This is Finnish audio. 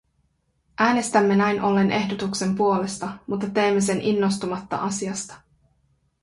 Äänestämme näin ollen ehdotuksen puolesta, mutta teemme sen innostumatta asiasta.